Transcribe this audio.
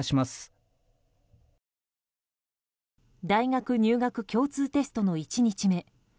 大学入学共通テストの１日目。